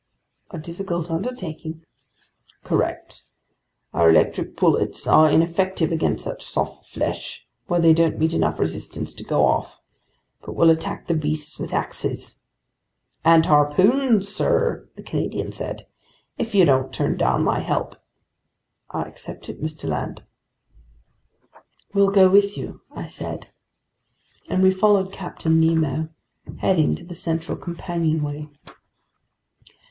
"A difficult undertaking." "Correct. Our electric bullets are ineffective against such soft flesh, where they don't meet enough resistance to go off. But we'll attack the beasts with axes." "And harpoons, sir," the Canadian said, "if you don't turn down my help." "I accept it, Mr. Land." "We'll go with you," I said. And we followed Captain Nemo, heading to the central companionway.